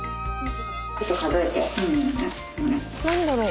何だろう？